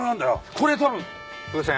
これ多分風船。